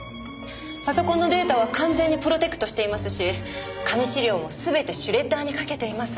パソコンのデータは完全にプロテクトしていますし紙資料も全てシュレッダーにかけています。